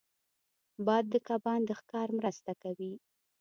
باد د کبان د ښکار مرسته کوي